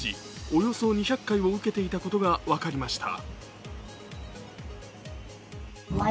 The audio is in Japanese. およそ２００回を受けていたことが分かりました。